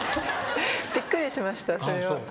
びっくりしましたそれは。